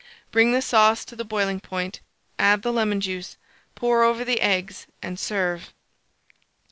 Bring the sauce to the boiling point, add the lemon juice, pour over the eggs, and serve.